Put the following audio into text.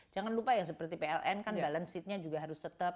jangan lupa yang seperti pln kan balance nya juga harus tetap